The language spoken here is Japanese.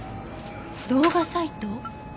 動画サイト？